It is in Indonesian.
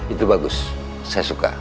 itu bagus saya suka